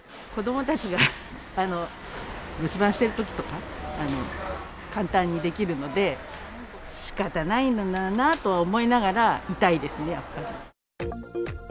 子どもたちが留守番してるときとか、簡単にできるので、しかたないんだなとは思いながら、痛いですね、やっぱり。